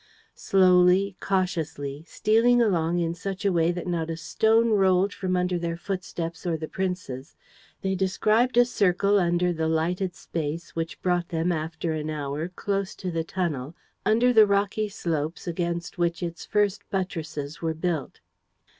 Slowly, cautiously, stealing along in such a way that not a stone rolled from under their footsteps or the prince's, they described a circle around the lighted space which brought them, after an hour, close to the tunnel, under the rocky slopes against which its first buttresses were built.